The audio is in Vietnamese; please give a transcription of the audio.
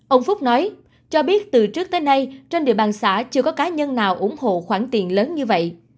ông phúc nói cho biết từ trước tới nay trên địa bàn xã chưa có cá nhân nào ủng hộ khoản tiền lớn như vậy